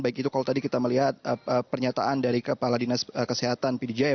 baik itu kalau tadi kita melihat pernyataan dari kepala dinas kesehatan pd jaya